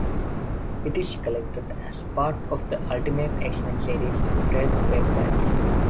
It is collected as part of the "Ultimate X-Men" series of trade paperbacks.